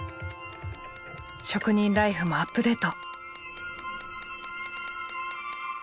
職人ライフもアップデート！